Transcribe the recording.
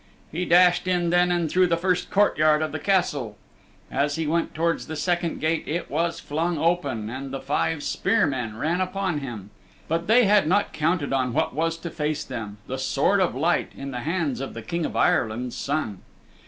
He dashed in then and through the first courtyard of the Castle. As he went towards the second gate it was flung open, and the five spear men ran upon him. But they had not counted on what was to face them the Sword of Light in the bands of the King of Ireland's Son.